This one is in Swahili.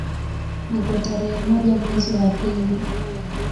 Na kwa tarehe moja mwezi wa pili